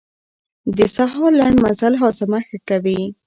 د سهار لنډ مزل هاضمه ښه کوي.